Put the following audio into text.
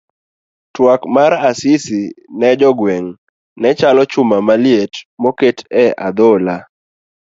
Twak mar Asisi ne jo gweng' ne chalo chuma maliet moket e a dhola.